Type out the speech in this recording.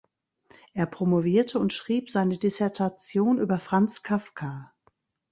Er promovierte und schrieb seine Dissertation über Franz Kafka.